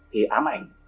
thì ám ảnh